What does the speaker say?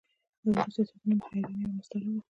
دا وروستي ساعتونه مې هیجاني او مضطرب وو.